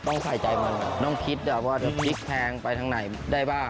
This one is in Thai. ต้องใส่ใจมันต้องคิดว่าว่าจะพลิกแพงไปทางไหนได้ป่ะ